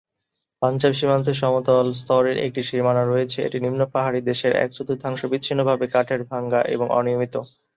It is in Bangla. পাঞ্জাব সীমান্তে সমতল স্তরের একটি সীমানা রয়েছে, এটি নিম্ন পাহাড়ী দেশের এক চতুর্থাংশ বিচ্ছিন্নভাবে কাঠের, ভাঙ্গা এবং অনিয়মিত।